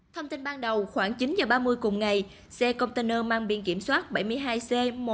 thông tin ban đầu khoảng chín h ba mươi cùng ngày xe container mang biên kiểm soát bảy mươi hai c một mươi nghìn chín mươi chín